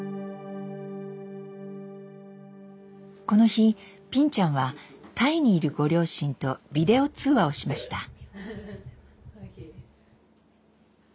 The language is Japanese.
この日ぴんちゃんはタイにいるご両親とビデオ通話をしました。